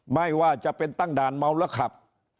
ไม่ว่าจะเป็นตั้งด่านเมาแล้วขับ